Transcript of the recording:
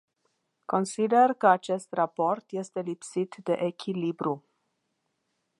Consider că acest raport este lipsit de echilibru.